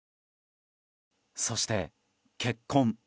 そして、結婚。